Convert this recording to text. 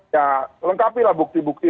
ya lengkapi lah bukti bukti